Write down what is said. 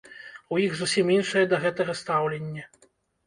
І ў іх зусім іншае да гэтага стаўленне.